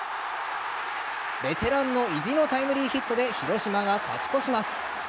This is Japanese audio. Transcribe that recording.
ベテランの意地のタイムリーヒットで広島が勝ち越します。